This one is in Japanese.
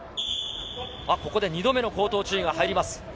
ここで２度目の口頭注意が入ります。